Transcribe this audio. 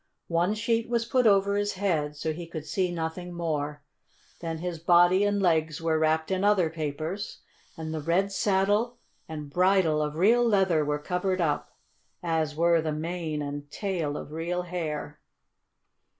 One sheet was put over his head, so he could see nothing more. Then his body and legs were wrapped in other papers, and the red saddle and bridle of real leather were covered up, as were the mane and tail of real hair.